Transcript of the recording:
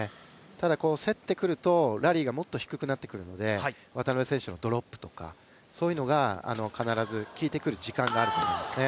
ただ競ってくると、ラリーがもっと低くなってくるので渡辺選手のドロップとかそういうのが必ず効いてくる時間があると思いますね。